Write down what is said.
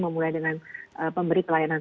memulai dengan pemberi pelayanan